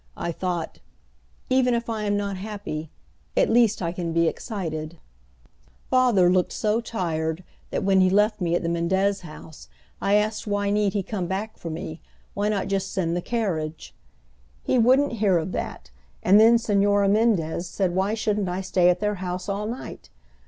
I thought, "Even if I am not happy, at least I can be excited." [Illustration: I tried to make myself look as pretty as possible.] Father looked so tired that when he left me at the Mendez house I asked why need he come back for me, why not just send the carriage. He wouldn't hear of that, and then Señora Mendez said why shouldn't I stay at their house all night?